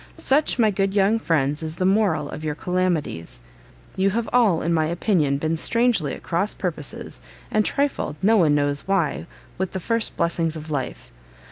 "Such, my good young friends, is the MORAL of your calamities. You have all, in my opinion, been strangely at cross purposes, and trifled, no one knows why, with the first blessings of life.